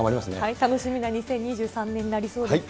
楽しみな２０２３年になりそうです。